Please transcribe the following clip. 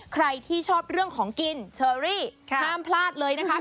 ใครที่ชอบเรื่องของกินเชอรี่ห้ามพลาดเลยนะคะ